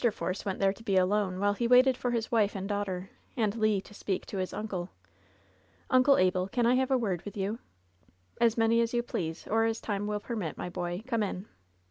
Force went there to be alone while he waited for his wife and daughter, and Le to speak to his uncle. "Uncle Abel, can I have a word with you ?" "As many as you please, or as time will permit, my boy. Come in."